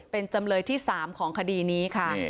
เป็นจำเลยที่๓ของคดีนี้ค่ะ